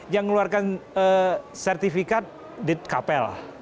yang ngeluarkan sertifikat di kapel